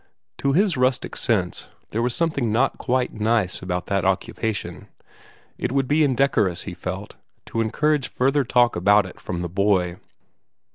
To his rustic sense, there was something not quite nice about that occupation. It would be indecorous, he felt, to encourage further talk about it from the boy.